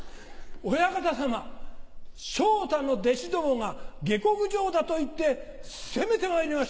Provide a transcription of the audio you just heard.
お屋形さま昇太の弟子どもが下克上だと言って攻めてまいりました。